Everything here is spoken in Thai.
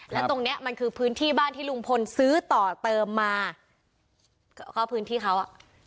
แล้วตรงเนี้ยมันคือพื้นที่บ้านที่ลุงพลซื้อต่อเติมมาก็เข้าพื้นที่เขาอ่ะ